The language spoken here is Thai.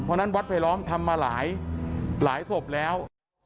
เพราะฉะนั้นวัดไผลล้อมทำมาหลายศพแล้ว